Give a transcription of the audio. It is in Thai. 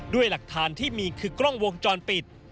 ด้วยหลักฐานที่มีคือกล้องวงจรปิด